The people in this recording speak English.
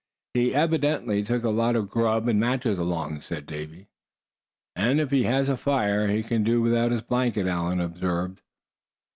"He evidently took a lot of grub and matches along," said Davy. "And if he has a fire, he can do without his blanket," Allan observed.